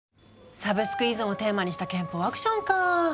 サブスク依存をテーマにした拳法アクションかぁ。